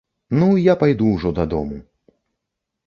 Ну, я пайду ўжо дадому.